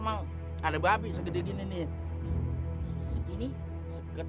emang ada babi segede gini nih